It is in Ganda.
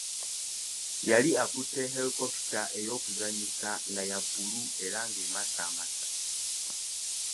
Yali akutte helikopita ey'okuzannyisa nga ya bbulu era ng'emasamasa.